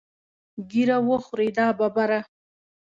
ږیره وخورې دا ببره.